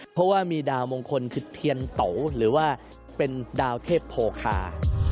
เพราะว่ามีดาวมงคลคือเทียนโตหรือว่าเป็นดาวเทพโภคา